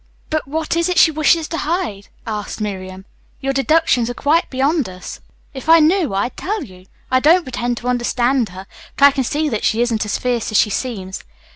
"But what is it she wishes to hide?" asked Miriam. "Your deductions are quite beyond us." "If I knew I'd tell you. I don't pretend to understand her, but I can see that she isn't as fierce as she seems.